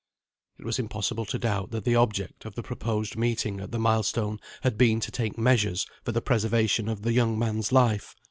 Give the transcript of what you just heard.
It was impossible to doubt that the object of the proposed meeting at the milestone had been to take measures for the preservation of the young man's life.